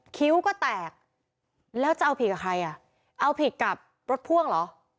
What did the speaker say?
คิ้วก็แตกแล้วจะเอาผิดกับใครอ่ะเอาผิดกับรถพ่วงเหรอ